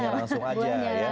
makan langsung aja ya